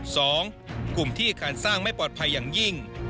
สองกลุ่มที่อาคารสร้างไม่ปลอดภัยอย่างยิ่ง